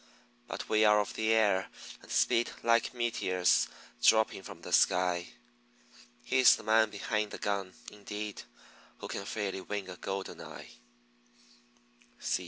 But we are of the air, and speed Like meteors dropping from the sky; He's "the man behind the gun" indeed Who can fairly wing a Golden eye.